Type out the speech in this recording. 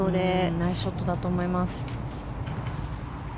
ナイスショットだと思います。